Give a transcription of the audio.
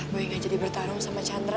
gue gak jadi bertarung sama chandra